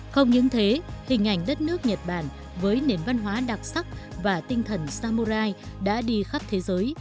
không những thế hình ảnh đất nước nhật bản với nền văn hóa đặc sắc và tinh thần samurai đã đi khắp thế giới